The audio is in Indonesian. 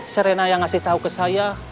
serena yang ngasih tahu ke saya